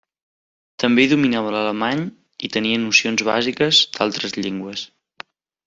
També dominava l’alemany i tenia nocions bàsiques d’altres llengües.